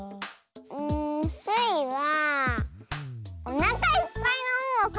んスイはおなかいっぱいの「ん」をかく。